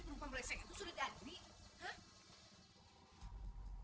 si penumpang balai saya sudah datang